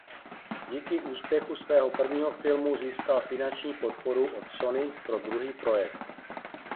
Díky úspěchu svého prvního filmu získal finanční podporu od Sony pro druhý projekt.